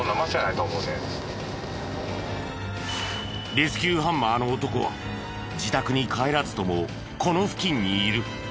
レスキューハンマーの男は自宅に帰らずともこの付近にいる。